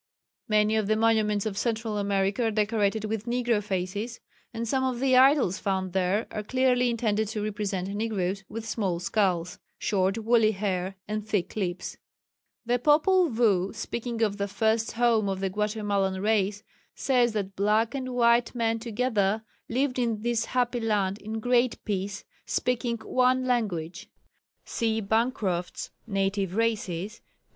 Many of the monuments of Central America are decorated with negro faces, and some of the idols found there are clearly intended to represent negros, with small skulls, short woolly hair and thick lips. The Popul Vuh, speaking of the first home of the Guatemalan race, says that "black and white men together" lived in this happy land "in great peace," speaking "one language." (See Bancroft's Native Races, p.